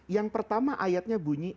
yang pertama ayatnya bunyi